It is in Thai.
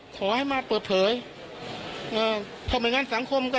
ขอให้มาเปิดเผยเอ่อเพราะไม่งั้นสังคมก็